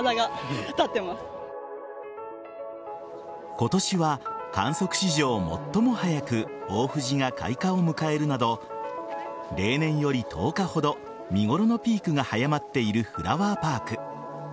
今年は観測史上最も早く大藤が開花を迎えるなど例年より１０日ほど見頃のピークが早まっているフラワーパーク。